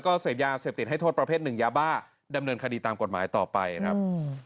ก็เจ็บตอนนั้นครับ